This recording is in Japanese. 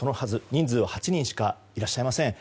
人数は８人しかいらっしゃいません。